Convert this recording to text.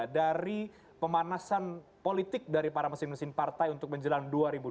dari pemanasan politik dari para mesin mesin partai untuk menjelang dua ribu dua puluh